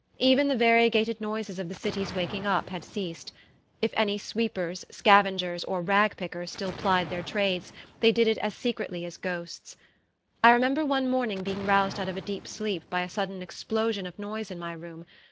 Even the variegated noises of the city's waking up had ceased. If any sweepers, scavengers or rag pickers still plied their trades they did it as secretly as ghosts. I remember one morning being roused out of a deep sleep by a sudden explosion of noise in my room.